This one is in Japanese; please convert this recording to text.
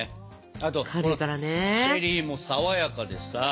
あとチェリーも爽やかでさ。